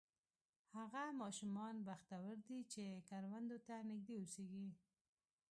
هغه ماشومان بختور دي چې کروندو ته نږدې اوسېږي.